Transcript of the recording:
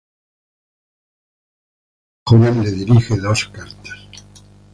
Plinio el Joven le dirige dos cartas.